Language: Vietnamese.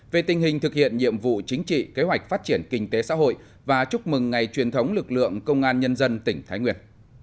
về tình hình thực hiện nhiệm vụ chính trị kế hoạch phát triển kinh tế xã hội và chúc mừng ngày truyền thống lực lượng công an nhân dân tỉnh thái nguyên